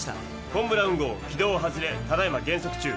フォン・ブラウン号軌道を外れただいま減速中。